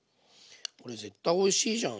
これ絶対おいしいじゃん！